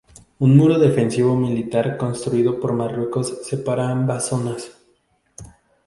Un muro defensivo militar construido por Marruecos separa ambas zonas.